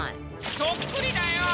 そっくりだよ！